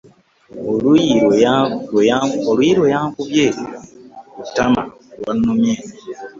Oluyi lwe yankubye kutama lwannumye.